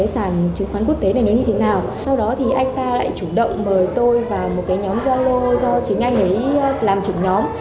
sau đó thì anh ta lại chủ động mời tôi vào một nhóm gia lô do chính anh ấy làm chủ nhóm